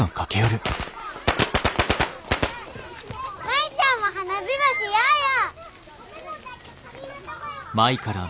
舞ちゃんも花火ばしようよ。